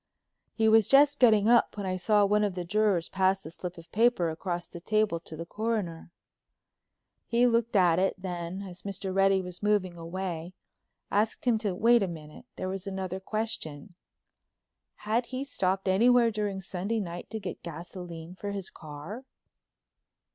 He was just getting up when I saw one of the jurors pass a slip of paper across the table to the Coroner. He looked at it, then, as Mr. Reddy was moving away, asked him to wait a minute; there was another question—had he stopped anywhere during Sunday night to get gasoline for his car?